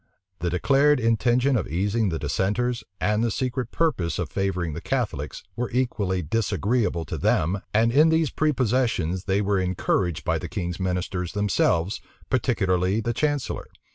The declared intention of easing the dissenters, and the secret purpose of favoring the Catholics, were equally disagreeable to them and in these prepossessions they were encouraged by the king's ministers themselves, particularly the chancellor.